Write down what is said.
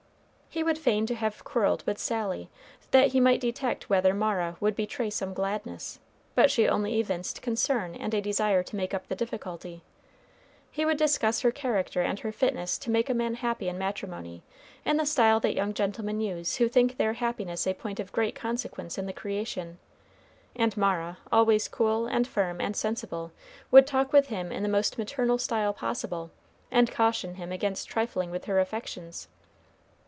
He would feign to have quarreled with Sally, that he might detect whether Mara would betray some gladness; but she only evinced concern and a desire to make up the difficulty. He would discuss her character and her fitness to make a man happy in matrimony in the style that young gentlemen use who think their happiness a point of great consequence in the creation; and Mara, always cool, and firm, and sensible, would talk with him in the most maternal style possible, and caution him against trifling with her affections.